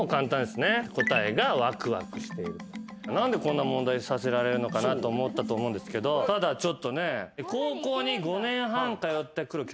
何でこんな問題させられるのかなと思ったと思うんですけどただちょっとね。